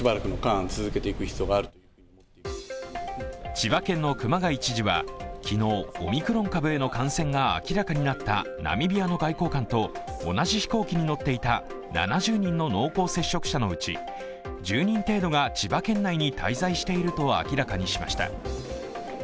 千葉県の熊谷知事は昨日、オミクロン株への感染が明らかになったナミビアの外交官と同じ飛行機に乗っていた７０人の濃厚接触者のうち１０人程度が千葉県内に滞在していると明らかにしました。